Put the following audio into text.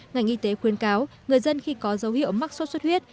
ngành y tế khuyên cáo người dân khi có dấu hiệu mắc sốt xuất huyết